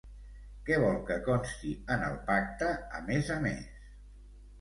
Què vol que consti en el pacte a més a més?